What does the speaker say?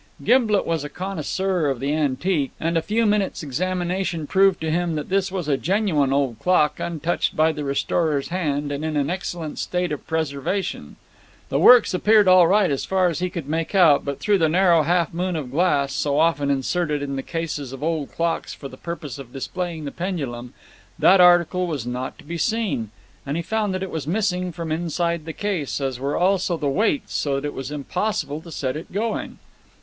Gimblet was a connoisseur of the antique, and a few minutes' examination proved to him that this was a genuine old clock, untouched by the restorer's hand, and in an excellent state of preservation. The works appeared all right as far as he could make out, but through the narrow half moon of glass, so often inserted in the cases of old clocks for the purpose of displaying the pendulum, that article was not to be seen, and he found that it was missing from inside the case, as were also the weights, so that it was impossible to set it going.